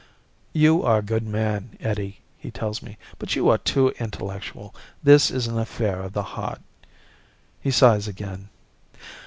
"You are a good man, Eddie," he tells me, "but you are too intellectual. This is an affair of the heart." He sighs again.